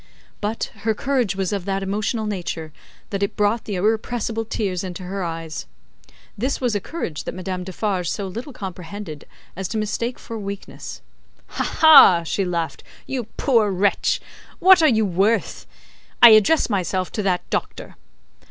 But, her courage was of that emotional nature that it brought the irrepressible tears into her eyes. This was a courage that Madame Defarge so little comprehended as to mistake for weakness. "Ha, ha!" she laughed, "you poor wretch! What are you worth! I address myself to that Doctor."